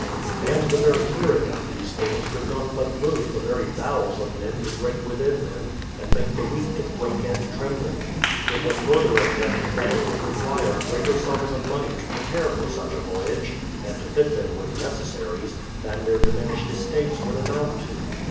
And the very hearing of these things could not but move the very bowels of men to grate within them and make the weak to quake and tremble. It was further objected that it would require greater sums of money to prepare for such a voyage, and to fit them with necessaries, than their diminished estates would amount to.